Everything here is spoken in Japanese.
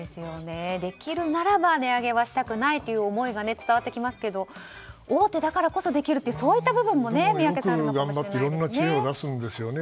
できるならば値上げはしたくないという思いが伝わってきますけど大手だからこそできるという部分もよく頑張っていろんな知恵を出すんですよね。